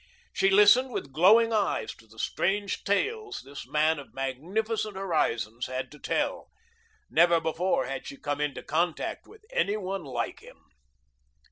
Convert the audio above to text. She listened with glowing eyes to the strange tales this man of magnificent horizons had to tell. Never before had she come into contact with any one like him.